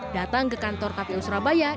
datang ke kantor kpu surabaya